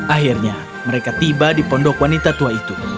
akhirnya mereka tiba di pondok wanita tua itu